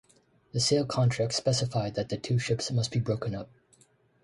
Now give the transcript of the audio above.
The sale contract specified that the two ships must be broken up.